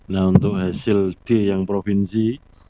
nah untuk hasil d yang provinsi